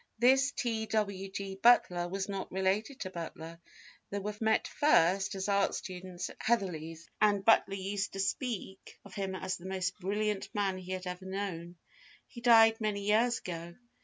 This T. W. G. Butler was not related to Butler, they met first as art students at Heatherley's, and Butler used to speak of him as the most brilliant man he had ever known. He died many years ago.